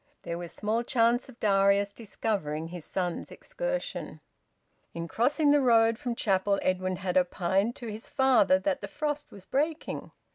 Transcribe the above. There was small chance of Darius discovering his son's excursion. In crossing the road from chapel Edwin had opined to his father that the frost was breaking.